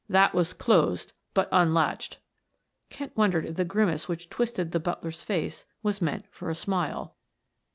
That was closed but unlatched." Kent wondered if the grimace which twisted the butler's face was meant for a smile.